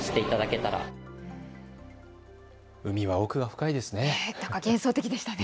海は奥が深いですね。